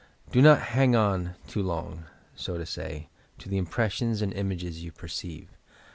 Do not "hang on," too long, so to say, to the impressions and images you perceive.